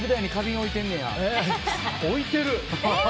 置いてる。